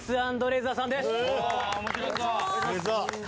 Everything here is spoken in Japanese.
面白そう。